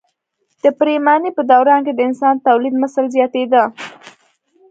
د پریمانۍ په دوران کې د انسان تولیدمثل زیاتېده.